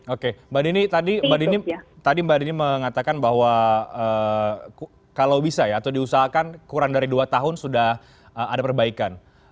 oke mbak dini tadi mbak dini mengatakan bahwa kalau bisa ya atau diusahakan kurang dari dua tahun sudah ada perbaikan